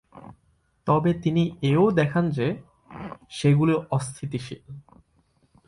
তবে তিনি এও দেখান যে সেগুলি অস্থিতিশীল।